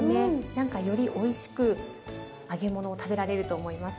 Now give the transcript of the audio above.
何かよりおいしく揚げ物を食べられると思います。